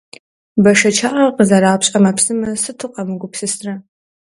Бэшэчагъэ къызэрапщ ӏэмэпсымэ сыту къамыгупсысрэ.